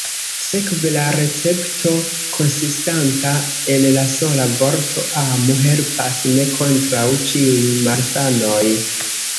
Sekve la recepto, konsistanta el la sola vorto «amu», helpas ne kontraŭ ĉiuj malsanoj.